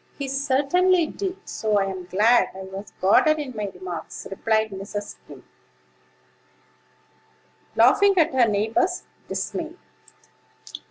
"He certainly did; so I'm glad I was guarded in my remarks," replied Mrs. Skim, laughing at her neighbor's dismay.